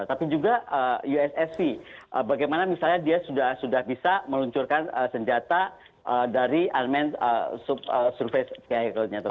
tapi juga ussv bagaimana misalnya dia sudah bisa meluncurkan senjata dari almen surface